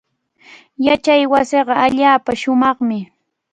Yachaywasiiqa allaapa shumaqmi.